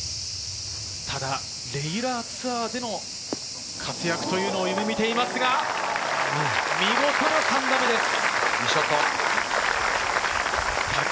ただレギュラーツアーでの活躍というのを夢見ていますが、見事な３打目です。